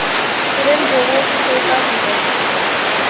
کرن جوہر کے show Koffee with